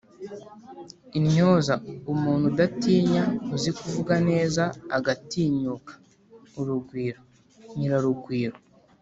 intyoza: umuntu udatinya uzi kuvuga neza agatinyuka urugwiro(nyirarugwiro):